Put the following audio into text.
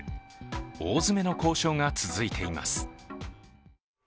大詰めの交渉が続いています。